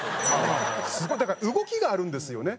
すごいだから動きがあるんですよね。